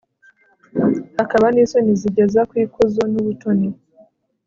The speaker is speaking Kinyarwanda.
hakaba n'isoni zigeza ku ikuzo n'ubutoni